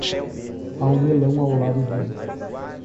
Há um melão ao lado dele.